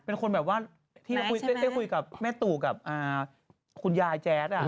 เป็นคนแบบว่าที่ได้คุยกับแม่ตู่กับคุณยายแจ๊ด